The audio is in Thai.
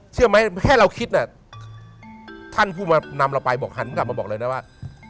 เชื่อไหมแค่เราคิดน่ะท่านผู้มานำเราไปบอกหันกลับมาบอกเลยนะว่า